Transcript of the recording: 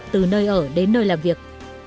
từ nơi ở đến nơi làm việc